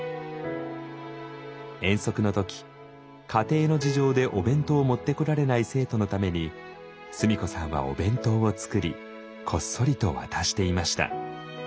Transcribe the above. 遠足の時家庭の事情でお弁当を持ってこられない生徒のために須美子さんはお弁当を作りこっそりと渡していました。